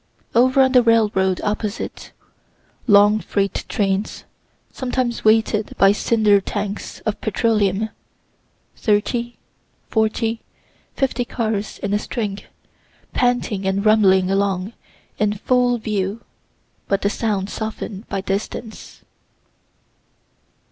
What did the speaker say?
Over on the railroad opposite, long freight trains, sometimes weighted by cylinder tanks of petroleum, thirty, forty, fifty cars in a string, panting and rumbling along in full view, but the sound soften'd by distance.